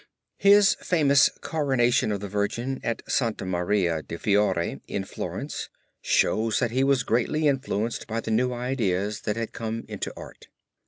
His famous Coronation of the Virgin at Santa Maria de Fiore in Florence shows that he was greatly influenced by the new ideas that had come into art.